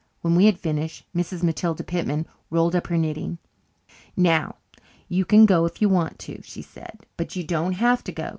When we had finished Mrs. Matilda Pitman rolled up her knitting. "Now, you can go if you want to," she said, "but you don't have to go.